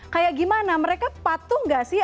kayak gimana mereka patuh nggak sih